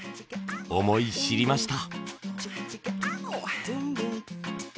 思い知りました。